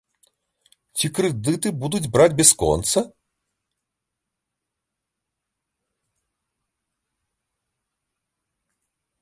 Ці крэдыты будуць браць бясконца?